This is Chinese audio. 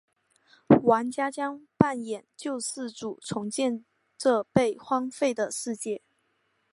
玩家将扮演救世主重建这被荒废的世界。